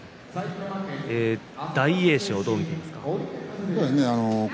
大栄翔、どう見ていますか？